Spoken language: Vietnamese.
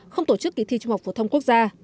không tổ chức kỳ thi trung học phổ thông quốc gia